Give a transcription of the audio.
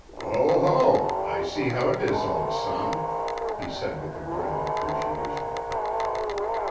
"Ho, ho! I see how 'tis, old son," he said with a grin of appreciation.